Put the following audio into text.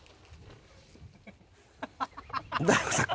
大悟さん